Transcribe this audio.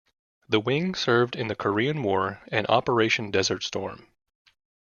The wing served in the Korean War and Operation Desert Storm.